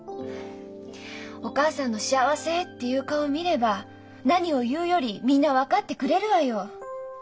お母さんの「幸せ！」っていう顔を見れば何を言うよりみんな分かってくれるわよ！